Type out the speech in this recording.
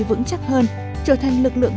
vững chắc hơn trở thành lực lượng